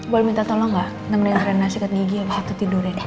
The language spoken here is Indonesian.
boleh minta tolong gak temenin rena sikat gigi abis itu tidurin